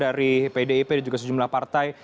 dari pdip dan juga sejumlah partai